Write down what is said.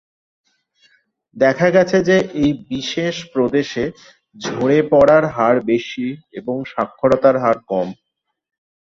দেখা গেছে যে এই বিশেষ প্রদেশে ঝরে পড়ার হার বেশি এবং সাক্ষরতার হার কম।